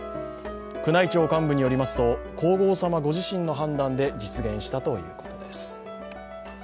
宮内庁幹部によりますと、皇后さまご自身の判断で実現したということです。